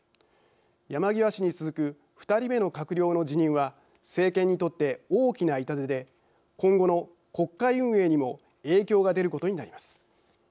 山際氏に続く２人目の閣僚の辞任は政権にとって大きな痛手で今後の国会運営にも影響が出ることになります。